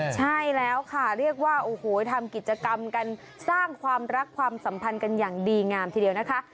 ใช่แล้วค่ะเรียกว่าทำกิจกรรมผู้ลักษณะสัมพันธ์อย่างดีงามทีเดียวนะคะ